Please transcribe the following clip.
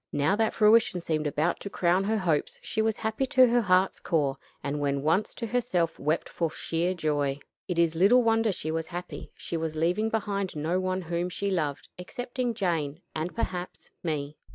Now that fruition seemed about to crown her hopes she was happy to her heart's core; and when once to herself wept for sheer joy. It is little wonder she was happy. She was leaving behind no one whom she loved excepting Jane, and perhaps, me.